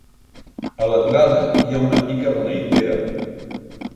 A l'entrada hi ha una pica beneitera.